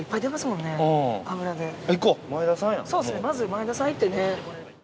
まず前田さん行ってね。